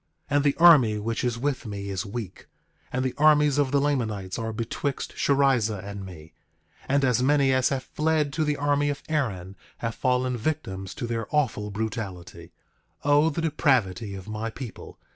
9:17 And the army which is with me is weak; and the armies of the Lamanites are betwixt Sherrizah and me; and as many as have fled to the army of Aaron have fallen victims to their awful brutality. 9:18 O the depravity of my people!